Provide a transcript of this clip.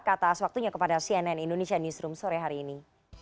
kata aswaktunya kepada cnn indonesia newsroom sore hari ini